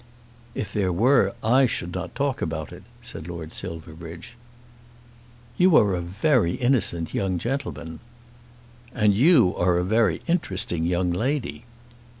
"If there were I should not talk about it," said Lord Silverbridge. "You are a very innocent young gentleman." "And you are a very interesting young lady."